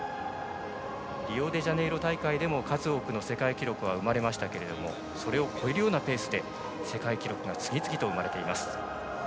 リオデジャネイロ大会でも数多くの世界記録が生まれましたけれどもそれを超えるようなペースで世界記録が次々と生まれています。